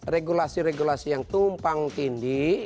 regulasi regulasi yang tumpang tindih